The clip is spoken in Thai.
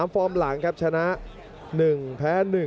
ฟอร์มหลังครับชนะ๑แพ้๑